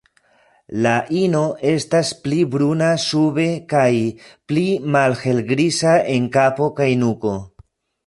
La ino estas pli bruna sube kaj pli malhelgriza en kapo kaj nuko.